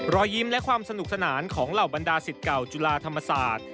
รอยยิ้มและความสนุกสนานของเหล่าบรรดาศิษย์เก่าจุฬาธรรมศาสตร์